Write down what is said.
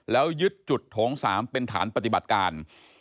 แล้วยึดจุดโถง๓เป็นฐานปฏิบัติการ